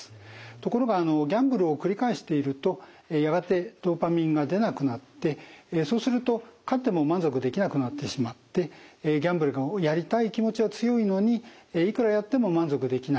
ところがギャンブルを繰り返しているとやがてドパミンが出なくなってそうすると勝っても満足できなくなってしまってギャンブルをやりたい気持ちは強いのにいくらやっても満足できない。